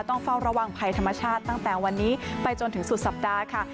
ต้องเฝ้าระวังภัยธรรมชาติตั้งแต่วันนี้ไปจนถึงสุดสัปดาห์ค่ะ